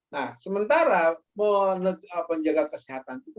nah sementara penjaga kesehatan itu